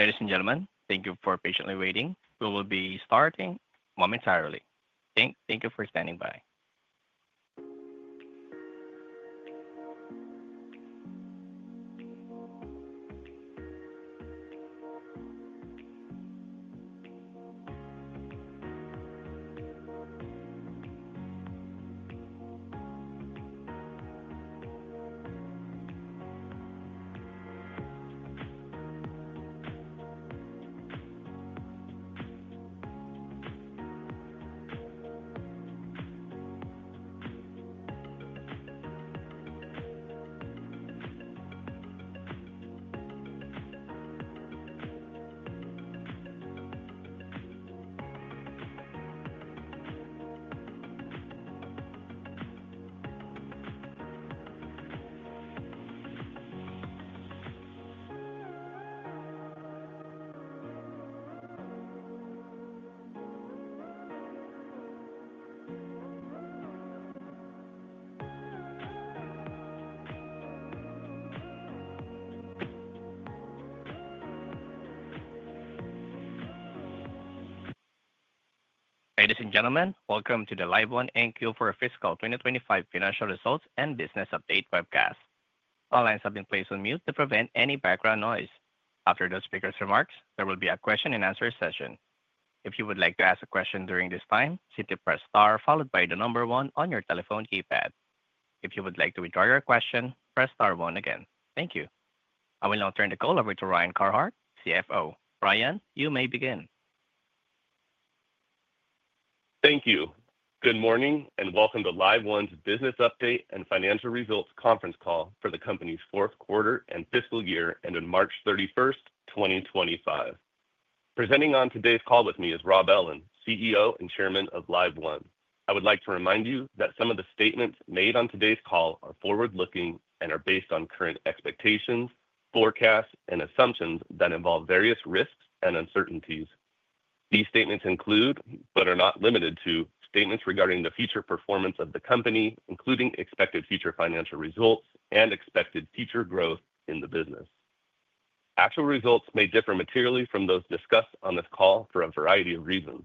Ladies and gentlemen, thank you for patiently waiting. We will be starting momentarily. Thank you for standing by. Ladies and gentlemen, welcome to the LiveOne NQ for Fiscal 2025 Financial Results and Business Update Webcast. All lines have been placed on mute to prevent any background noise. After the Speaker's remarks, there will be a question and answer session. If you would like to ask a question during this time, simply press STAR followed by the number one on your telephone keypad. If you would like to withdraw your question, press STAR one again. Thank you. I will now turn the call over to Ryan Carhart, CFO. Ryan, you may begin. Thank you. Good morning and welcome to LiveOne's Business Update and Financial Results Conference Call for the company's fourth quarter and fiscal year ended March 31st, 2025. Presenting on today's call with me is Rob Ellin, CEO and Chairman of LiveOne. I would like to remind you that some of the statements made on today's call are forward looking and are based on current expectations, forecasts, and assumptions that involve various risks and uncertainties. These statements include, but are not limited to, statements regarding the future performance of the company, including expected future financial results and expected future growth in the business. Actual results may differ materially from those discussed on this call for a variety of reasons.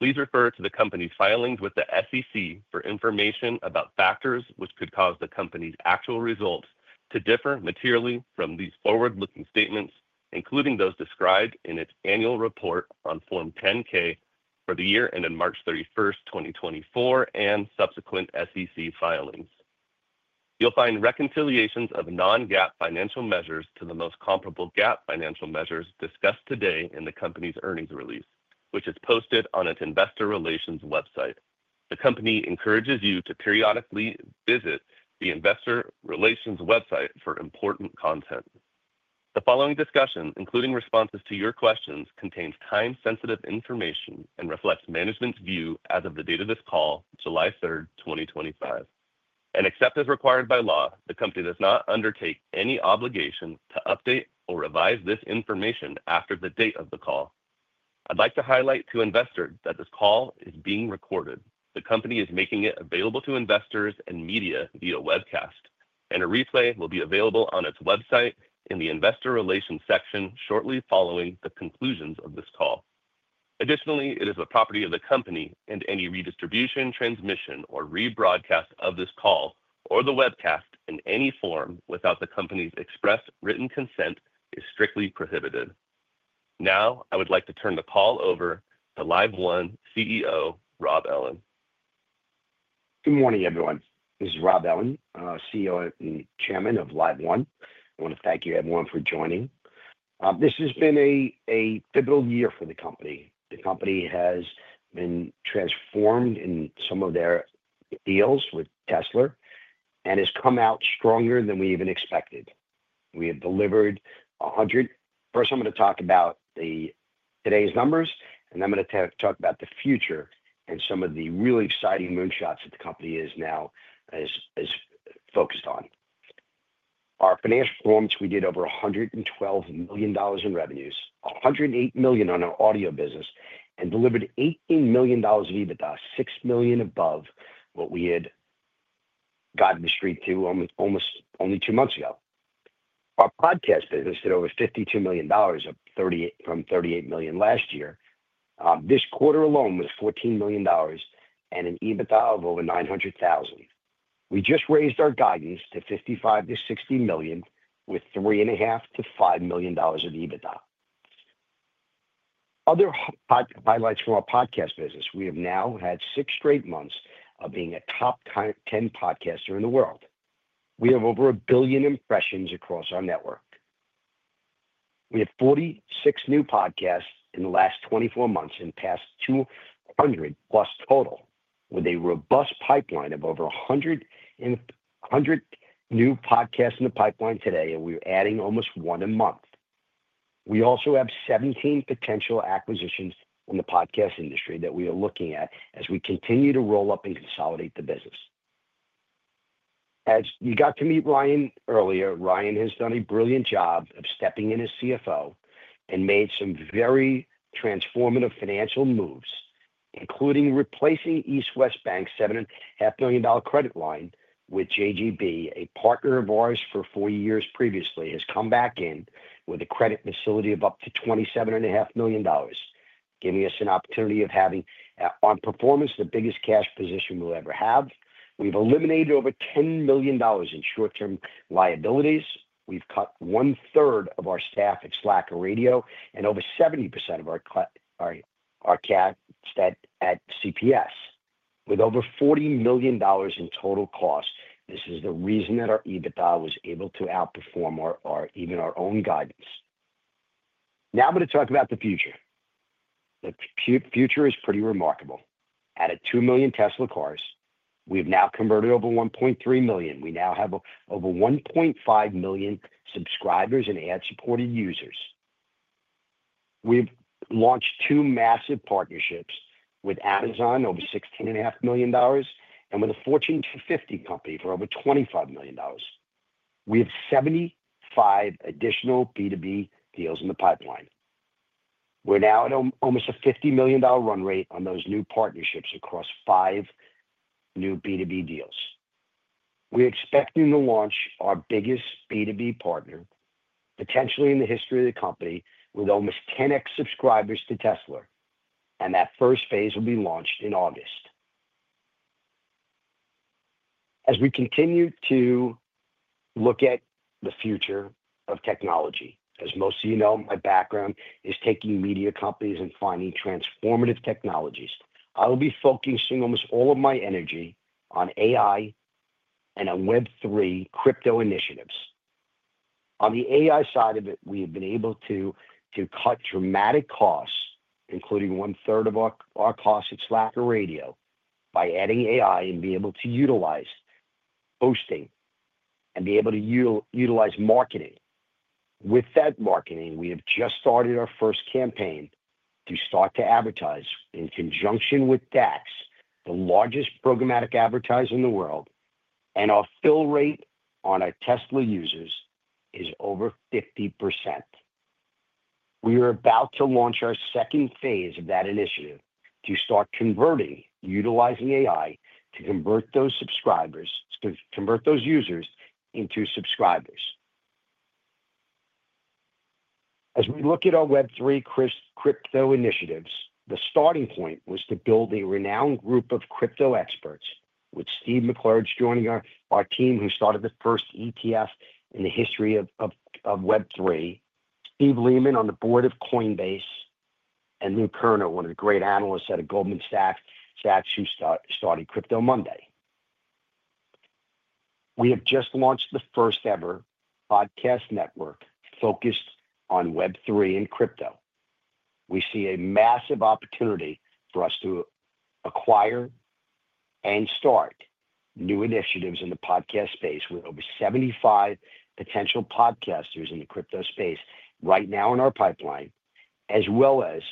Please refer to the Company's filings with the SEC for information about factors which could cause the Company's actual results to differ materially from these forward looking statements, including those described in its Annual Report on Form 10-K for the year ended March 31st, 2024 and subsequent SEC filings. You'll find reconciliations of non-GAAP financial measures to the most comparable GAAP financial measures discussed today in the Company's earnings release, which is posted on its Investor Relations website. The Company encourages you to periodically visit the Investor Relations website for important content. The following discussion, including responses to your questions, contains time sensitive information and reflects management's view as of the date of this call, July 3rd, 2025, and except as required by law, the Company does not undertake any obligation to update or revise this information after the date of the call. I'd like to highlight to investors that this call is being recorded, the Company is making it available to investors and media via webcast and a replay will be available on its website in the Investor Relations section shortly following the conclusions of this call. Additionally, it is the property of the Company and any redistribution, transmission or rebroadcast of this call or the webcast in any form without the Company's express written consent is strictly prohibited. Now I would like to turn the call over to the LiveOne CEO Rob Ellin. Good morning everyone. This is Rob Ellin, CEO and Chairman of LiveOne. I want to thank you everyone for joining. This has been a pivotal year for the company. The company has been transformed in some of their deals with Tesla and has come out stronger than we even expected. We have delivered 100. First I'm going to talk about today's numbers and I'm going to talk about the future and some of the really exciting moonshots that the company is now focused on. Our financial performance, we did over $112 million in revenues, $108 million on our audio business and delivered $18 million of EBITDA, $6 million above what we had gotten the street to almost only two months ago. Our Podcast business did over $52 million from $38 million last year. This quarter alone was $14 million and an EBITDA of over $900,000. We just raised our guidance to $55 million to $60 million with $3.5 million to $5 million of EBITDA. Other highlights from our Podcast business, we have now had six straight months of being a top 10 podcaster in the world. We have over a billion impressions across our network. We have 46 new podcasts in the last 24 months and passed 200+ total, with a robust pipeline of over 100 new podcasts in the pipeline today, and we're adding almost one a month. We also have 17 potential acquisitions in the podcast industry that we are looking at as we continue to roll up and consolidate the business. As you got to meet Ryan earlier, Ryan has done a brilliant job of stepping in as CFO and made some very transformative financial moves, including replacing EastWest Bank $7 million credit line with [JGB]. A partner of ours for four years previously has come back in with a credit facility of up to $27.5 million giving us an opportunity of having on performance the biggest cash position we'll ever have. We've eliminated over $10 million in short term liabilities. We've cut 1/3 of our staff at Slacker Radio and over 70% of our cash at CPS with over $40 million in total costs. This is the reason that our EBITDA was able to outperform even our own guidance. Now I'm going to talk about the future. The future is pretty remarkable. Added 2 million Tesla cars. We've now converted over 1.3 million. We now have over 1.5 million subscribers and ad supported users. We've launched two massive partnerships with Amazon over $16.5 million and with a Fortune 50 company for over $25 million. We have 75 additional B2B deals in the pipeline. We're now at almost a $50 million run rate on those new partnerships across five new B2B deals. We are expecting to launch our biggest B2B partner potentially in the history of the company with almost 10x subscribers to Tesla and that first phase will be launched in August as we continue to look at the future of technology. As most of you know, my background is taking media companies and finding transformative technologies. I will be focusing almost all of my energy on AI and on Web3 crypto initiatives. On the AI side of it, we have been able to cut dramatic costs, including 1/3 of our cost of Slacker Radio by adding AI and be able to utilize hosting and be able to utilize marketing. With that marketing, we have just started our first campaign to start to advertise in conjunction with DAX, the largest programmatic advertiser in the world. Our fill rate on our Tesla users is over 50%. We are about to launch our second phase of that initiative to start converting utilizing AI to convert those users into subscribers. As we look at our Web3 crypto initiatives, the starting point was to build a renowned group of crypto experts with Steve McClurg joining our team, who started the first ETF in the history of Web3, Steve Lehman on the board of Coinbase, and Lou Kerner, one of the great analysts at Goldman Sachs who started Crypto Monday. We have just launched the first ever podcast network focused on Web3 and crypto. We see a massive opportunity for us to acquire and start new initiatives in the podcast space. With over 75 potential podcasters in the crypto space right now in our pipeline as well as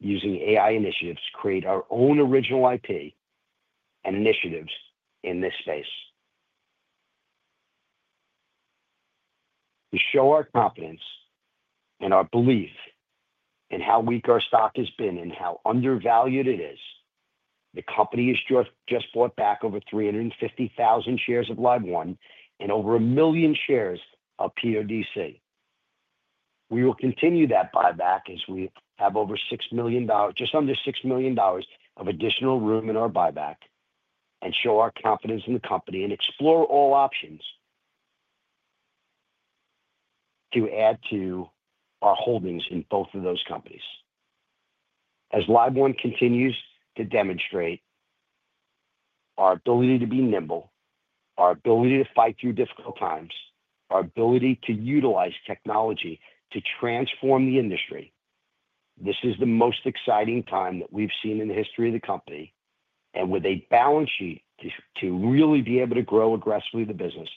using AI initiatives, create our own original IP and initiatives in this space to show our confidence and our belief in how weak our stock has been and how undervalued it is. The company has just bought back over 350,000 shares of LiveOne and over 1 million shares of PODC. We will continue that buyback as we have over $6 million, just under $6 million of additional room in our buyback and show our confidence in the company and explore all options to add to our holdings in both of those companies. As LiveOne continues to demonstrate our ability to be nimble, our ability to fight through difficult times, our ability to utilize technology to transform the industry. This is the most exciting time that we've seen in the history of the company and with a balance sheet to really be able to grow aggressively the business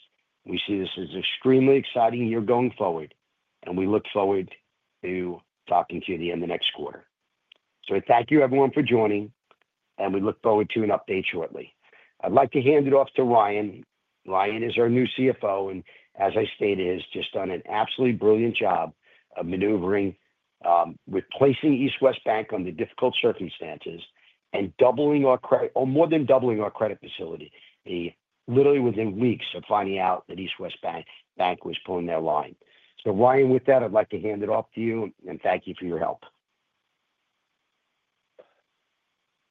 we see. This is extremely exciting year going forward and we look forward to talking to you at the end of next quarter. Thank you everyone for joining and we look forward to an update shortly. I'd like to hand it off to Ryan. Ryan is our new CFO and as I stated has just done an absolutely brilliant job of maneuvering, replacing EastWest Bank under difficult circumstances and doubling our credit or more than doubling our credit facility literally within weeks of finding out that EastWest Bank was pulling their line. So Ryan, with that I'd like to hand it off to you and thank you for your help.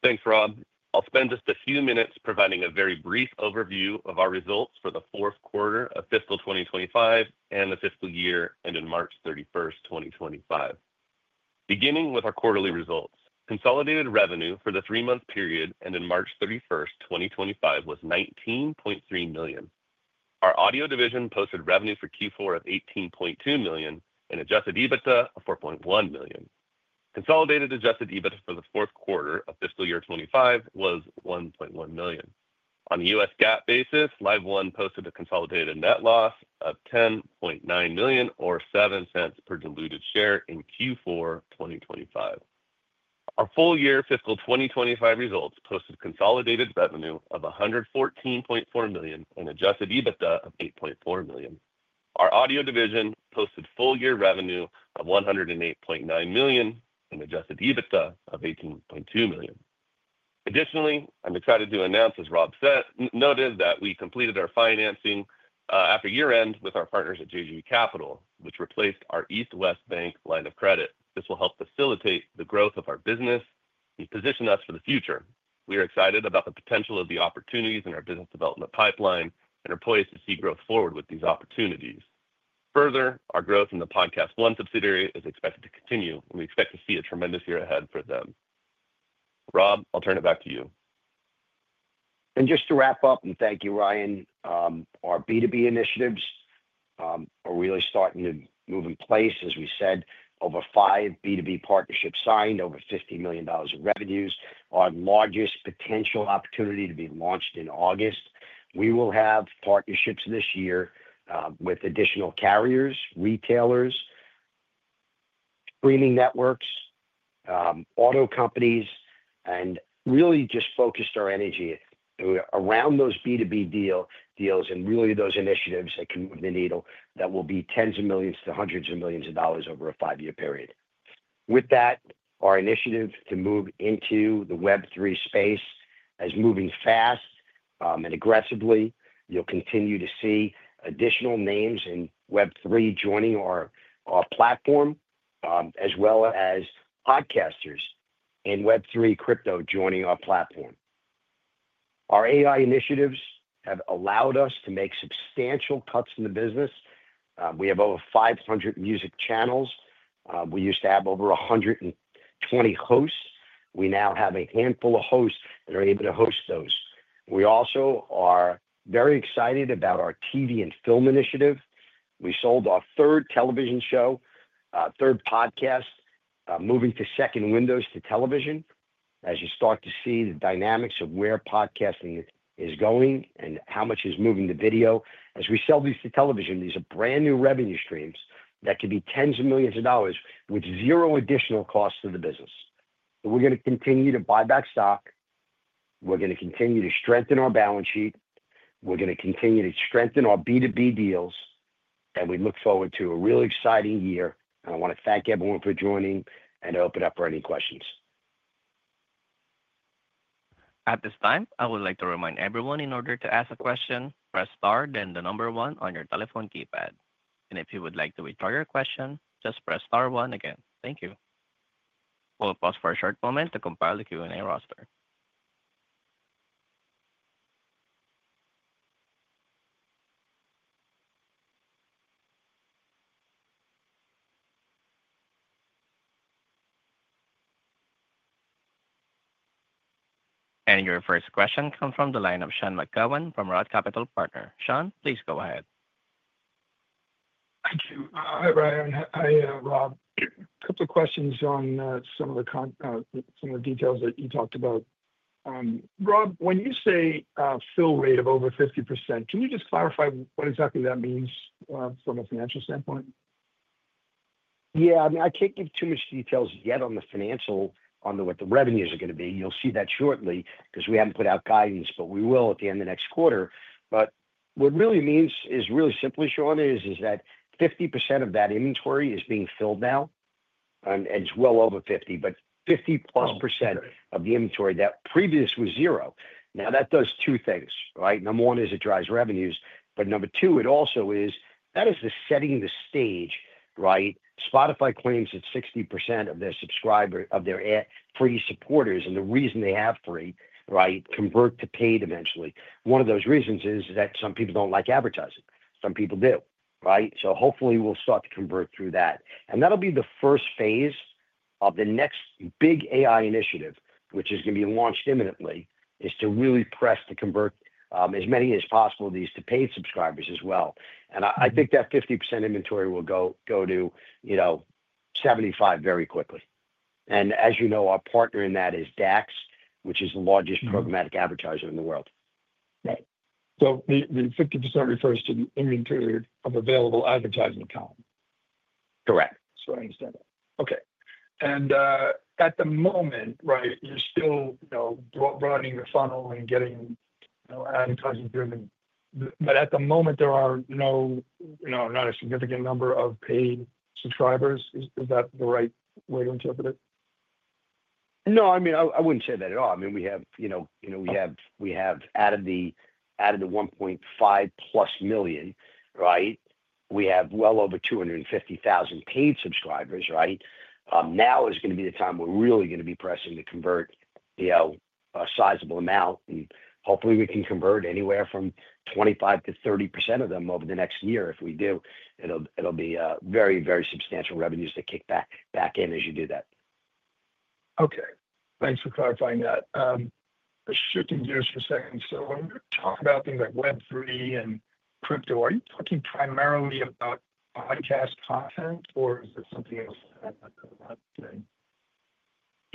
Thanks Rob. I'll spend just a few minutes providing a very brief overview of our results for the fourth quarter of fiscal 2025 and the fiscal year ended March 31st, 2025, beginning with our quarterly results. Consolidated revenue for the three-month period ended March 31st, 2025, was $19.3 million. Our audio division posted revenue for Q4 of $18.2 million and adjusted EBITDA of $4.1 million. Consolidated adjusted EBITDA for the fourth quarter of fiscal year 2025 was $1.1 million on a US GAAP basis. LiveOne posted a consolidated net loss of $10.9 million or $0.07 per diluted share in Q4 2025. Our full year fiscal 2025 results posted consolidated revenue of $114.4 million and adjusted EBITDA of $8.4 million. Our audio division posted full year revenue of $108.9 million and adjusted EBITDA of $18.2 million. Additionally, I'm excited to announce, as Rob said, that we completed our financing after year end with our partners at JGB Capital, which replaced our EastWest Bank line of credit. This will help facilitate the growth of our business and position us for the future. We are excited about the potential of the opportunities in our business development pipeline and are poised to see growth forward with these opportunities. Further, our growth in the PodcastOne subsidiary is expected to continue and we expect to see a tremendous year ahead for them. Rob, I'll turn it back to you. Just to wrap up and thank you, Ryan. Our B2B initiatives are really starting to move in place. As we said, over five B2B partnerships signed, over $50 million of revenues. Our largest potential opportunity to be launched in August. We will have partnerships this year with additional carriers, retailers, streaming networks, auto companies, and really just focused our energy around those B2B deals and really those initiatives that can move the needle. That will be tens of millions to hundreds of millions of dollars over a five-year period. With that, our initiative to move into the Web3 space is moving fast and aggressively. You'll continue to see additional names in Web3 joining our platform as well as podcasters in Web3 crypto joining our platform. Our AI initiatives have allowed us to make substantial cuts in the business. We have over 500 music channels. We used to have over 120 hosts. We now have a handful of hosts that are able to host those. We also are very excited about our TV and film initiative. We sold our third television show, third podcast, moving to second windows to television. As you start to see the dynamics of where podcasting is going and how much is moving to video as we sell these to television. These are brand new revenue streams that could be tens of millions of dollars with zero additional cost to the business. We're going to continue to buy back stock, we're going to continue to strengthen our balance sheet. We're going to continue to strengthen our B2B deals and we look forward to a really exciting year. I want to thank everyone for joining and open up for any questions. At this time, I would like to remind everyone, in order to ask a question, press star then the number one on your telephone keypad. If you would like to withdraw your question, just press star one again. Thank you. Please hold for a short moment to compile the Q and A roster. Your first question comes from the line of Sean McGowan from Roth Capital Partners. Sean, please go ahead. Thank you. Hi, Ryan. Hi, Rob. A couple of questions on some of the con. Some of the details that you talked about. Rob, when you say fill rate of over 50%, can you just clarify what exactly that means from a financial standpoint? Yeah, I mean I can't give too much details yet on the financial, on what the revenues are going to be. You'll see that shortly because we haven't put out guidance but we will at the end of next quarter. What it really means is really simply, Sean, is that 50% of that inventory is being filled now and it's well over 50% but 50+% of the inventory that previously was zero. Now that does two things, right? Number one is it drives revenues. Number two is that is setting the stage, right? Spotify claims that 60% of their subscribers, of their free supporters—and the reason they have free, right—convert to paid eventually. One of those reasons is that some people don't like advertising. Some people do, right so hopefully we'll start to convert through that, and that'll be the first phase of the next big AI initiative which is going to be launched imminently, is to really press to convert as many as possible, these to paid subscribers as well. I think that 50% inventory will go. Go to, you know, 75% very quickly. As you know, our partner in that is DAX, which is the largest programmatic advertiser in the world, right? So, the 50 refers to the inventory of available advertising column? Correct. I understand that. Okay. At the moment, right? you're still, you know, running the funnel and getting advertising driven, but at the moment there are no, you know, not a significant number of paid subscribers. Is that the right way to interpret it? No, I mean, I wouldn't say that at all. I mean, we have, you know, we have out of the 1.5+ million, right? We have well over 250,000 paid subscribers. Right now is going to be the time we're really going to be pressing to convert, you know, a sizable amount. And hopefully we can convert anywhere from 25%-30% of them over the next year. If we do, it'll. It'll very, very substantial revenues to kick back back in as you do that. Okay, thanks for clarifying that. Shifting gears for a second. When we talk about things like Web3 and crypto, are you talking primarily about podcast content or is there something else?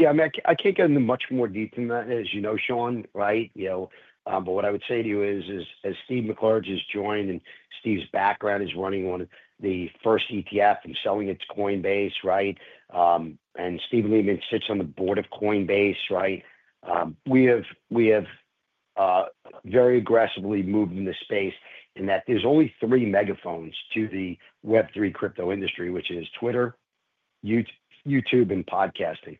Yeah, I mean, I can't get into much more deep than that, as you know, sean, right? You know, but what I would say to you is, is as Steve McClurg just joined, and Steve's background is running on the, the first ETF and selling at Coinbase, right? And Steve Lehman sits on the board of Coinbase, right? We have, we have very aggressively moved in the space in that there's only three megaphones to the Web3 crypto industry, which is Twitter, YouTube and podcasting.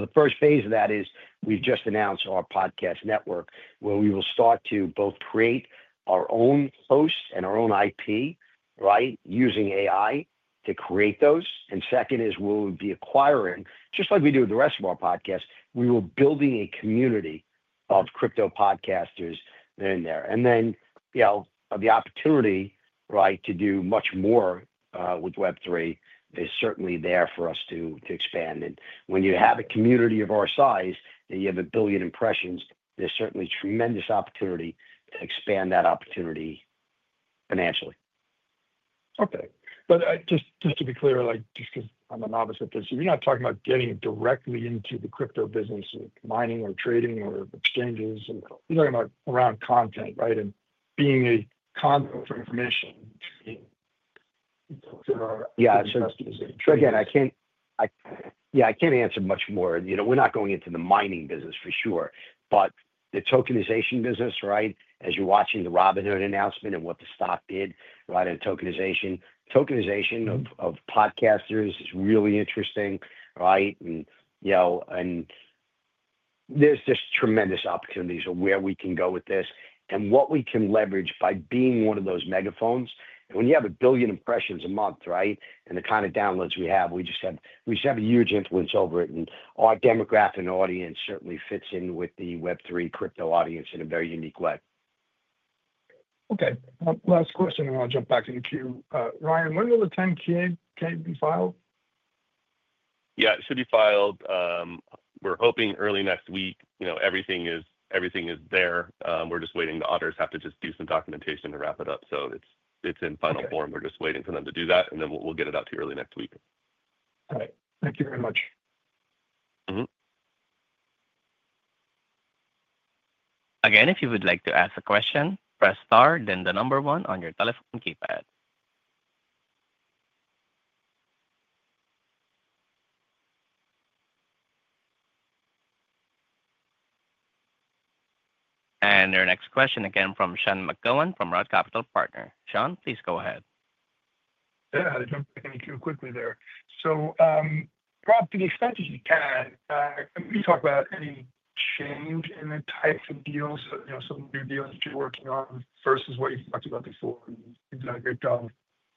The first phase of that is we've just announced our podcast network where we will start to both create our own host and our own IP, right? Using AI to create those. Second is we'll be acquiring, just like we do with the rest of our podcasts, we were building a community of crypto podcasters in there. You know, the opportunity, right, to do much more with Web3 is certainly there for us to expand. When you have a community of our size and you have a billion impressions, there is certainly tremendous opportunity to expand that opportunity financially. Okay, just to be clear, like just because I'm a novice at this. You're not talking about getting directly into the crypto business, mining or trading or exchanges. You're talking about around content, right? Being a conduit for information. Yeah, again, I can't. I, yeah, I can't answer much more. You know, we're not going into the mining business for sure, but the tokenization business, right? As you're watching the Robinhood announcement and what the stock did, right? And tokenization. Tokenization of podcasters is really interesting, right? You know, and there's just tremendous opportunities of where we can go with this and what we can leverage by being one of those megaphones when you have a billion impressions a month, right? The kind of downloads we have, we just have. We have a huge influence over it. Our demographics audience certainly fits in with the Web3 crypto audience in a very unique way. Okay, last question, and I'll jump back in the queue. Ryan, when will the 10-K be filed? Yeah, it should be filed. We're hoping early next week. You know, everything is. Everything is there. We're just waiting. The auditors have to just do some documentation to wrap it up, so it's. It's in final form. We're just waiting for them to do that, and then we'll get it out to you early next week. Thank you very much. Again, if you would like to ask a question, press star, then the number one on your telephone keypad. Our next question again from Sean McGowan from Roth Capital Partners. Sean, please go ahead. Yeah, quickly there. Rob, to the extensions. You can talk about any change in the types of deals, you know, some new deals that you're working on versus what you talked about before. You've done a great job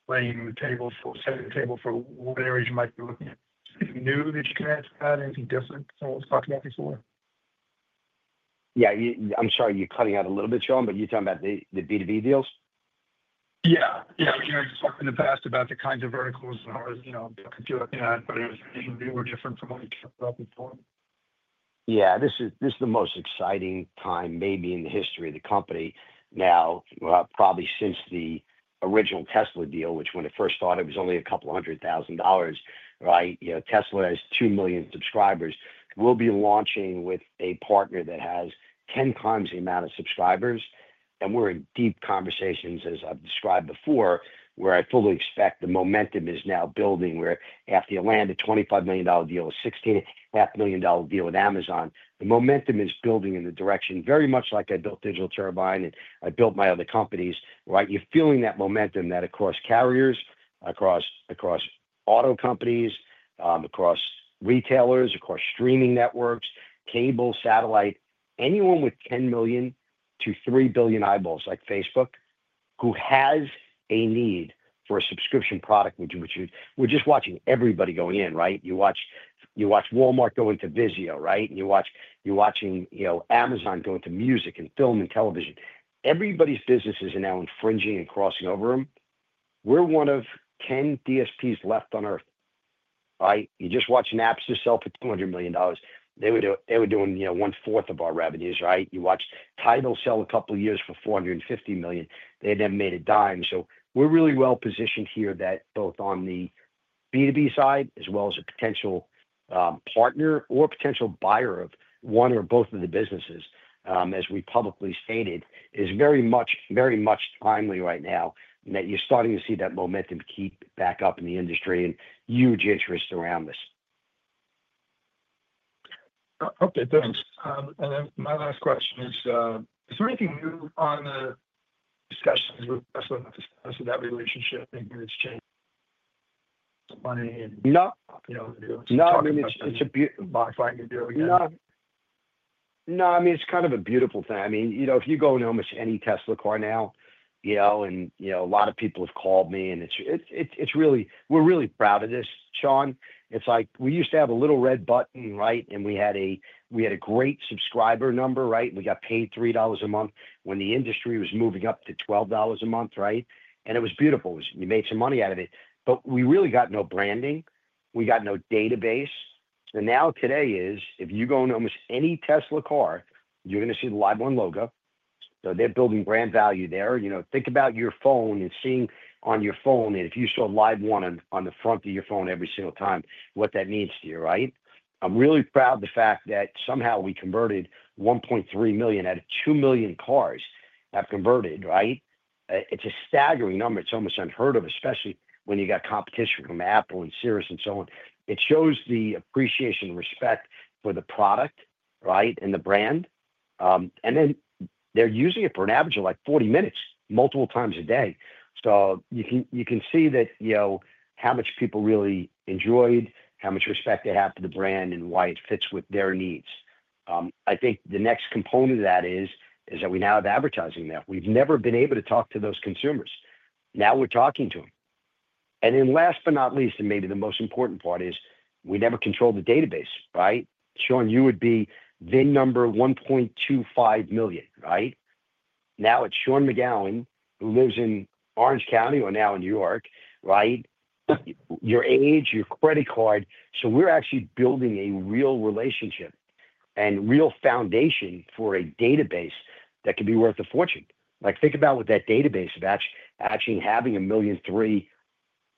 laying the table for setting the table for what areas you might be looking at, anything new that you can ask about. Anything different someone was talking about before? Yeah, I'm sorry you're cutting out a little bit, Sean, but you're talking about the B2B deals. Yeah, yeah. In the past, about the kinds of verticals, you know, we're different from what we. Yeah, this is. This is the most exciting time maybe in the history of the company now, probably since the original Tesla deal, which when it first started was only a couple hundred thousand dollars, right? You know, Tesla has 2 million subscribers. We'll be launching with a partner that has 10 times the amount of subscribers. And we're in deep conversations, as I've described before, where I fully expect the momentum is now building, where after you land a $25 million deal with $16.2 million deal with Amazon. The momentum is building in the direction very much like I built Digital Turbine and I built my other companies, right? You're feeling that momentum that across carriers, across auto companies, across retailers, across streaming networks, cable, satellite, anyone with 10 million-3 billion eyeballs like Facebook who has a need for a subscription product, which we're just watching everybody going in, right? You watch, you watch Walmart going to VIZIO, right? And you're watching, you know, Amazon go into music and film and television. Everybody's businesses are now infringing and crossing over them. We're one of 10DSPs left on Earth, right? You just watch Napster sell for $200 million. They were, they were doing, you know, 1//4 of our revenues, right? You watched Tidal sell a couple of years for $450 million. They had never made a dime. We're really well positioned here that both on the B2B side as well as a potential partner or potential buyer of one or both of the businesses, as we publicly stated, is very much, very much timely right now that you're starting to see that momentum keep back up in the industry and huge interest around this. Okay, thanks. Then my last question is, is there anything new on the discussions with that relationship? No, no. I mean it's a beautiful, no, I mean it's kind of a beautiful thing. I mean, you know, if you go in almost any Tesla car now, you know, a lot of people have called me and it's really, we're really proud of this, Sean. You know, it's like we used to have a little red button, right? And we had a great subscriber number, right? We got paid $3 a month when the industry was moving up to $12 a month, right? And it was beautiful. You made some money out of it. We really got no branding, we got no database. Now today if you go into almost any Tesla car, you're going to see the LiveOne logo. They're building brand value there. You know, think about your phone and seeing on your phone and if you saw LiveOne on the front of your phone every single time, what that means to you, right? I'm really proud. The fact that somehow we converted. 1.3 million out of 2 million cars have converted, right? It's a staggering number. It's almost unheard of, especially when you got competition from Apple and Cirrus and so on. It shows the appreciation, respect for the product, right, and the brand. Then they're using it for an average of like 40 minutes multiple times a day. You can, you can see that, you know, how much people really enjoyed, how much respect they have for the brand and why it fits with their needs. I think the next component of that is, is that we now have advertising. Now we've never been able to talk to those consumers, now we're talking to them. Last but not least, and maybe the most important part is we never control the database, right? Sean, you would be VIN number 1.25 million, right? now it's Sean McGowan who lives in Orange County or now in New York, right? Your age, your credit card. So we're actually building a real relationship and real foundation for a database that can be worth a fortune. Like think about what that database batch actually having a 1,000,300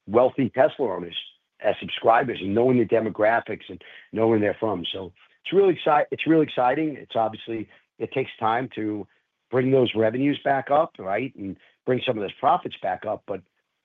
wealthy Tesla owners as subscribers and knowing the demographics and knowing they're from. It's really exciting. It's really exciting. It's obviously it takes time to bring those revenues back up, right, and bring some of those profits back up.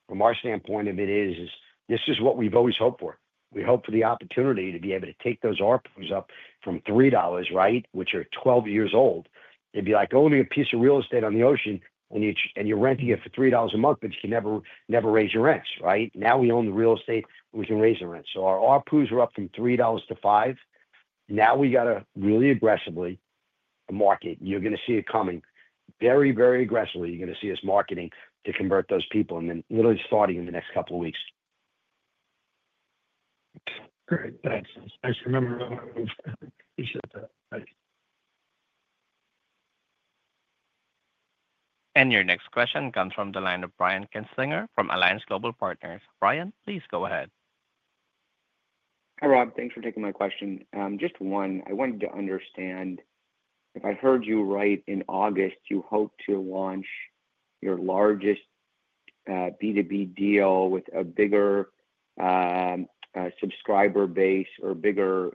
From our standpoint of it is this is what we've always hoped for. We hope for the opportunity to be able to take those ARPU's up from $3, right, which are 12 years old. It'd be like owning a piece of real estate on the ocean and, and you're renting it for $3 a month. You can never, never raise your rents. Right now we own the real estate, we can raise the rent. So our ARPUs are up from $3 to $5. Now we gotta really aggressively market. You're gonna see it coming very, very aggressively. You're gonna see us marketing to convert those people and then literally starting in the next couple of weeks. Great, thanks. Your next question comes from the line of Brian Kinstlinger from Alliance Global Partners. Brian, please go ahead. Hi, Rob, thanks for taking my question. Just one, I wanted to understand if I heard you right, in August you hope to launch your largest B2B deal with a bigger subscriber base or bigger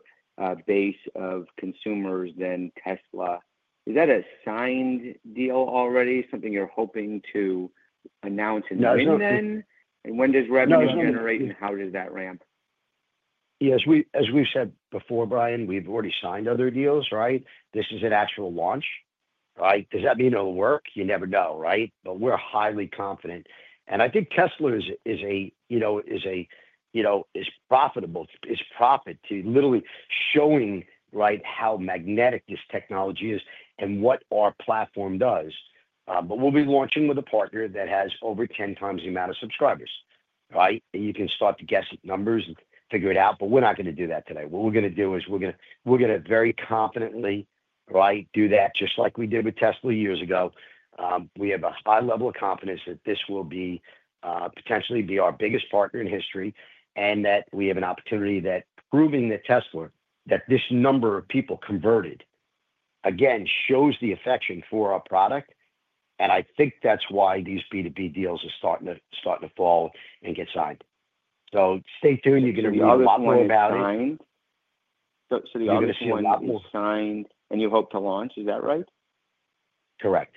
base of consumers than Tesla. Is that a signed deal already, something you're hoping to announce? And when does revenue generate, and how does that ramp? Yes, as we've said before, Brian, we've already signed other deals, right? This is an actual launch, right? Does that mean it'll work? You never know, right? We're highly confident and I think Tesla is, you know, is profitable, is literally showing how magnetic this technology is and what our platform does. We'll be launching with a partner that has over 10 times the amount of subscribers. You can start to guess numbers and figure it out, but we're not going to do that today. What we're going to do is we're going to very confidently do that just like we did with Tesla years ago. We have a high level of confidence that this will potentially be our biggest partner in history and that we have an opportunity that, proving that Tesla, that this number of people converted again shows the affection for our product. I think that's why these B2B deals are starting to fall and get signed. Stay tuned, you're going to read. Signed and you hope to launch, is that right? Correct.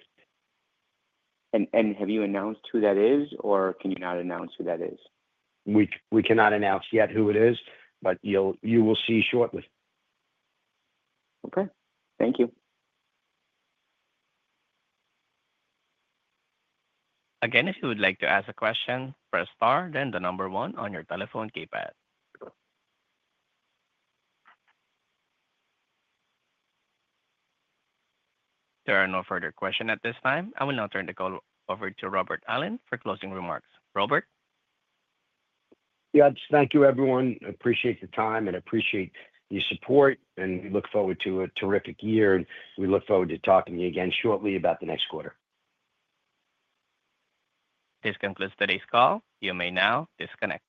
Have you announced who that is? or can you not announce who that is? We cannot announce yet who it is, but you will see shortly. Okay, thank you. Again. If you would like to ask a question, press star, then the number one on your telephone keypad. There are no further questions at this time. I will now turn the call over to Rob Ellin for closing remarks. Robert? Yeah. Thank you, everyone. Appreciate the time and appreciate your support and we look forward to a terrific year and we look forward to talking to you again shortly about the next quarter. This concludes today's call. You may now disconnect.